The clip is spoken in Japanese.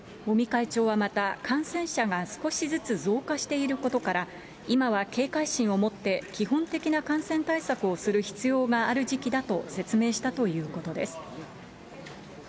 尾身会長はまた、感染者が少しずつ増加していることから、今は警戒心を持って基本的な感染対策をする必要がある時期だと説明したということです。